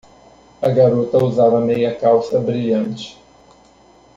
A garota usava meia-calça brilhante.